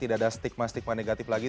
tidak ada stigma stigma negatif lagi